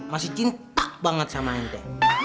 masih cinta banget sama anda